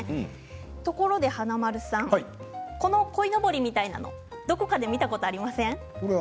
ところで華丸さんこのこいのぼりみたいなのどこかで見たことあります？